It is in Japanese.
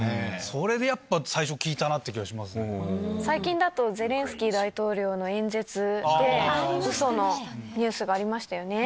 それでやっぱ、最近だと、ゼレンスキー大統領の演説で、うそのニュースがありましたよね。